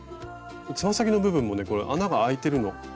つま先の部分もね穴があいてるの。